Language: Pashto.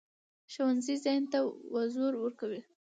ښوونځی ذهن ته وزر ورکوي